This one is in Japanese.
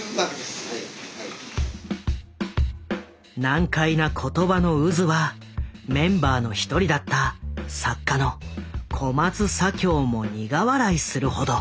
難解な言葉の渦はメンバーの一人だった作家の小松左京も苦笑いするほど。